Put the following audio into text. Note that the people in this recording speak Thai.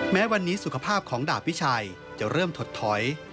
แม้วันนี้สุขภาพของดาบวิชัยจะเริ่มถดถอย